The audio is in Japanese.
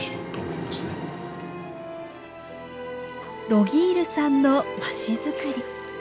ロギールさんの和紙作り。